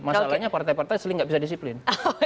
masalahnya partai partai seling tidak bisa disiplin